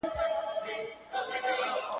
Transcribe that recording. o پورته تللې ده,